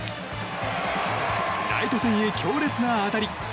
ライト線へ強烈な当たり。